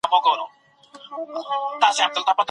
نشه یې توکي د معدې ناروغۍ سبب کېږي.